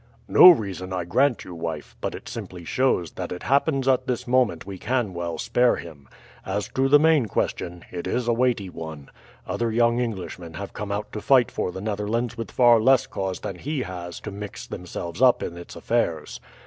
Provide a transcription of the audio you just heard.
"No reason, I grant you, wife; but it simply shows that it happens at this moment we can well spare him. As to the main question, it is a weighty one. Other young Englishmen have come out to fight for the Netherlands with far less cause than he has to mix themselves up in its affairs.